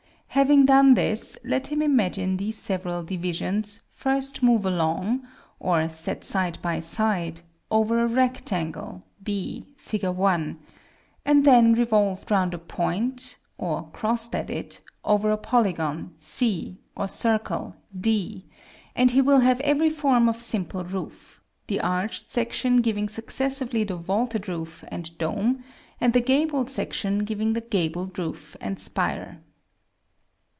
Having done this, let him imagine these several divisions, first moved along (or set side by side) over a rectangle, b, Fig. I., and then revolved round a point (or crossed at it) over a polygon, c, or circle, d, and he will have every form of simple roof: the arched section giving successively the vaulted roof and dome, and the gabled section giving the gabled roof and spire.